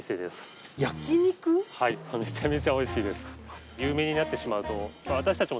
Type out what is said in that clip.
はいめちゃめちゃおいしいです。